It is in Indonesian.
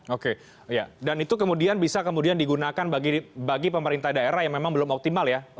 oke dan itu kemudian bisa kemudian digunakan bagi pemerintah daerah yang memang belum optimal ya